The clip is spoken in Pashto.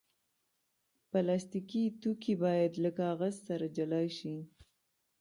پلاستيکي توکي باید له کاغذ سره جلا شي.